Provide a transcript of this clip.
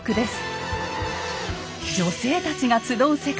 女性たちが集う世界。